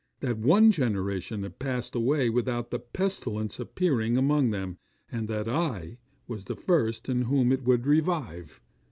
that one generation had passed away without the pestilence appearing among them, and that I was the first in whom it would revive.